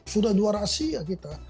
sudah juara asia kita